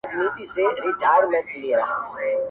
ور سره سم ستا غمونه نا بللي مېلمانه سي,